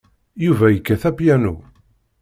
Yuba yekkat apyanu.